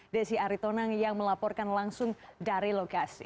desi aritonang yang melaporkan langsung dari lokasi